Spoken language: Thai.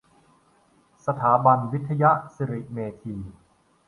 สถาบันวิทยสิริเมธี